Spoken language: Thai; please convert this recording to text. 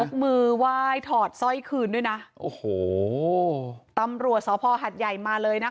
มือไหว้ถอดสร้อยคืนด้วยนะโอ้โหตำรวจสภหัดใหญ่มาเลยนะคะ